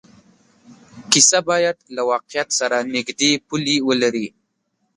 کیسه باید له واقعیت سره نږدې پولې ولري.